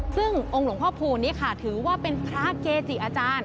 ซึ่งองค์หลวงพ่อพูนนี้ค่ะถือว่าเป็นพระเกจิอาจารย์